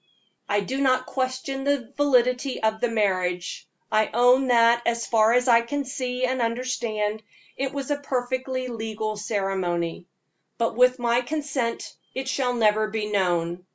I do not question the validity of the marriage. I own that, as far as I can see and understand, it was a perfectly legal ceremony; but with my consent it shall never be known.